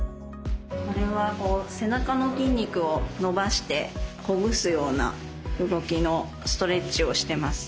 これは背中の筋肉を伸ばしてほぐすような動きのストレッチをしてます。